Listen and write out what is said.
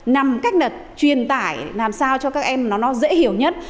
nằm cách là truyền tải làm sao cho các em nó dễ hiểu nhất